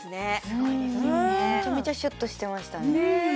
すごいですよねめちゃめちゃシュッとしてましたね